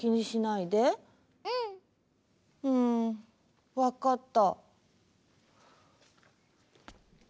うんわかった。